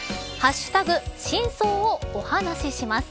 ＃真相をお話しします。